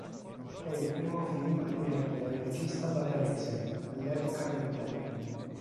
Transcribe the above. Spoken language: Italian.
È il primo film diretto dal regista bavarese, all'epoca ventenne.